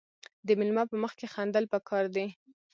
د میلمه په مخ کې خندل پکار دي.